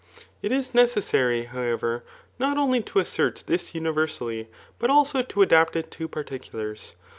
It is necessary, however, not only to assert this uni* viSrsally, but also to adapt it to particulars.